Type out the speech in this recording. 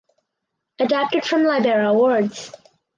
Adapted from Libera Awards.